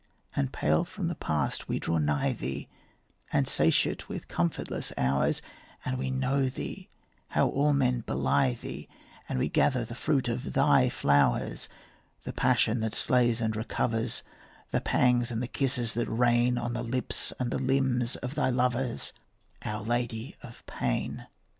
And pale from the past we draw nigh thee, And satiate with comfortless hours; And we know thee, how all men belie thee, And we gather the fruit of thy flowers; The passion that slays and recovers, The pangs and the kisses that rain On the lips and the limbs of thy lovers, Our Lady of Pain.